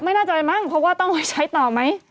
ไม่แน่ใจมั้งเพราะว่าต้องใช้ต่อไหม